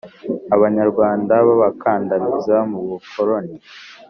Abanyarwanda babakandamiza mu bukoloni.